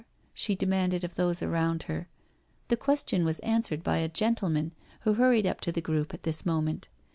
she demanded of those around her. The question was answered by a gentleman who hurried up to the group at this moment.